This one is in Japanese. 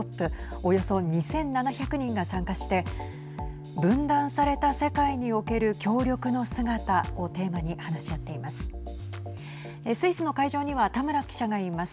およそ２７００人が参加して分断された世界における協力の姿をテーマに話し合っています。